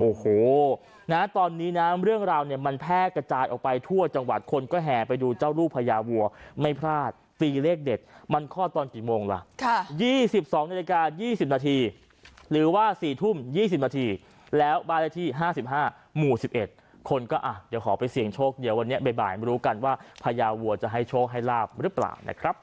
มันคลอดตอนกี่โมงว่า๒๒นาฬิกา๒๐นาทีหรือว่า๔ทุ่ม๒๐นาทีแล้วบ้านละที่๕๕หมู่๑๑คนก็อ่ะเดี๋ยวขอไปเสี่ยงโชคเดี๋ยววันนี้บ่ายบ่ายไม่รู้กันว่าพญาวัวจะให้โชคให้ราบหรือเปล่านะครับ